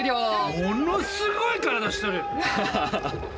ものすごい体しとる。